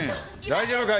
大丈夫か？